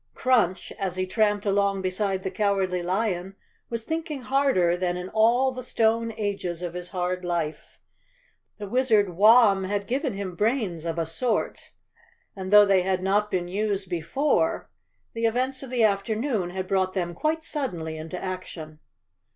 Crunch, as he tramped along beside the Cowardly Lion, was thinking harder than in all the stone ages of his hard life. The Wizard Warn had given him brains of a sort, and though 260 _ Chapter Twenty they had not been used before the events of the after¬ noon had brought them quite suddenly into action.